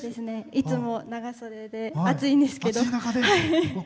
いつも長袖で暑いんですけど。